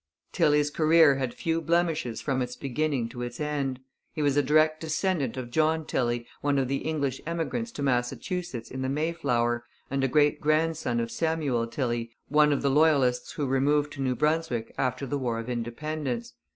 Tilley's career had few blemishes from its beginning to its end. He was a direct descendant of John Tilley, one of the English emigrants to Massachusetts in the Mayflower, and a great grandson of Samuel Tilley, one of the Loyalists who removed to New Brunswick after the War of Independence.